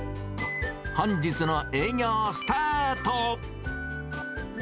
本日の営業スタート。